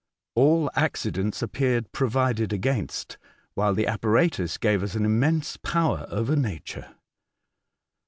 All accidents appeared A Strange Proposal. 95 provided against, while the apparatus gave us an immense power over nature.